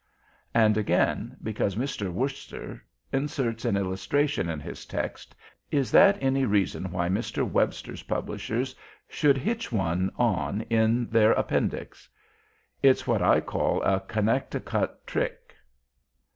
"And again, because Mr. Worcester inserts an illustration in his text, is that any reason why Mr. Webster's publishers should hitch one on in their appendix? It's what I call a Connect a cut trick.